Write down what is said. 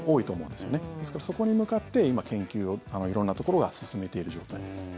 ですから、そこに向かって今、研究を色んなところが進めている状態です。